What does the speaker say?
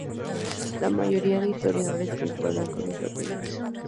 La mayoría de historiadores concuerdan con esta opinión.